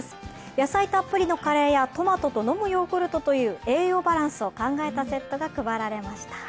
野菜たっぷりのカレーやトマトと飲むヨーグルトという栄養バランスを考えたセットが配られました。